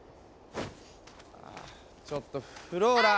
あぁちょっとフローラ！